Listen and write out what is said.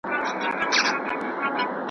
چي دهقان دلته د سونډ دانې شیندلې .